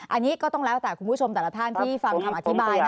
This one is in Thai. อันนี้ก็ต้องแล้วแต่คุณผู้ชมแต่ละท่านที่ฟังคำอธิบายนะ